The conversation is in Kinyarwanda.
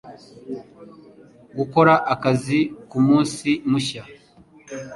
gukora akazi ku munsi mushya.